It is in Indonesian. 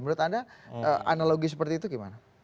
menurut anda analogi seperti itu gimana